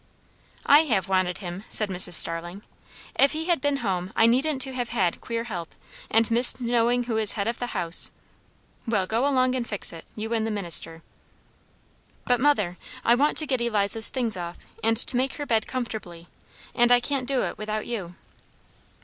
"I have wanted him," said Mrs. Starling. "If he had been home I needn't to have had queer help, and missed knowing who was head of the house. Well, go along and fix it, you and the minister." "But, mother, I want to get Eliza's things off, and to make her bed comfortably; and I can't do it without you."